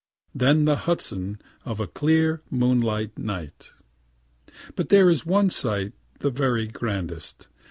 Then the Hudson of a clear moonlight night. But there is one sight the very grandest.